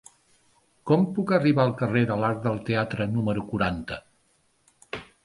Com puc arribar al carrer de l'Arc del Teatre número quaranta?